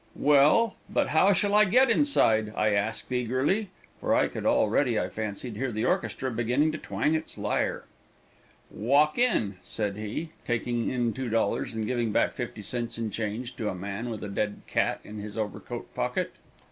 "Well, but how shall I get inside?" I asked eagerly, for I could already, I fancied, hear the orchestra beginning to twang its lyre. "Walk in," said he, taking in $2 and giving back 50 cents in change to a man with a dead cat in his overcoat pocket.